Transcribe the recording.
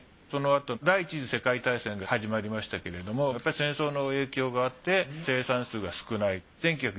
そのあと第一次世界大戦が始まりましたけれどもやっぱり戦争の影響があって生産数が少ない。